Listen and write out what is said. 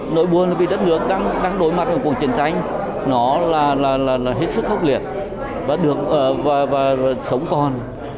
nỗi buồn là vì đất nước đang đối mặt với cuộc chiến tranh nó là hết sức khốc liệt và sống còn